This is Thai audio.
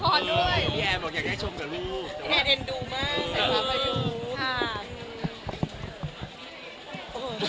พี่แอร์เอนดูมากใส่ความอายุ